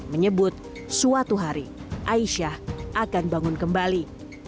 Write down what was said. menyebut suatu hari aisyah akan bangun kembali